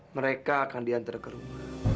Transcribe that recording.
mereka akan diantar ke rumah